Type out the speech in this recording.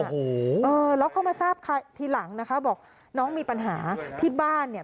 โอ้โหเออแล้วเข้ามาทราบทีหลังนะคะบอกน้องมีปัญหาที่บ้านเนี่ย